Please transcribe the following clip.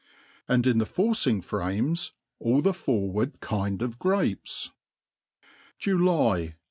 And in the forcing frames all the forward kind of grapes. July.